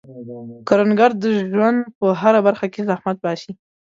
کروندګر د ژوند په هره برخه کې زحمت باسي